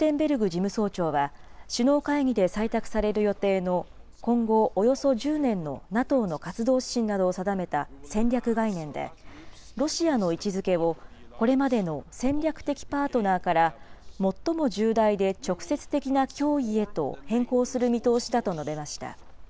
事務総長は、首脳会議で採択される予定の、今後およそ１０年のＮＡＴＯの活動指針などを定めた戦略概念で、ロシアの位置づけをこれまでの戦略的パートナーから、もっとも重大で直接的な脅威へと変更する見通しだと述べました。